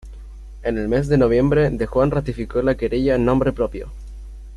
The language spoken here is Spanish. En el mes de noviembre, De Juan ratificó la querella en nombre propio.